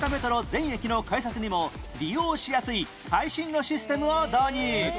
全駅の改札にも利用しやすい最新のシステムを導入